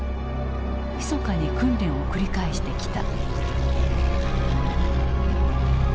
ひそかに訓練を繰り返してきた。